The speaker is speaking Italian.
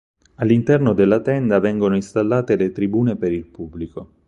All'interno della tenda vengono installatate le tribune per il pubblico.